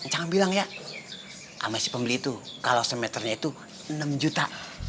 cang bilang ya sama si pembeli itu kalau se meternya itu enam juta